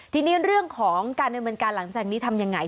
ทีนี้เรื่องของการเนินบันการหลังจากนี้ทำอย่างไร